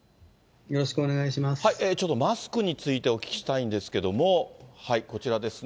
ちょっとマスクについてお聞きしたいんですけれども、こちらですね。